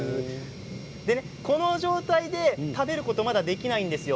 この状態で食べることができないんですよ。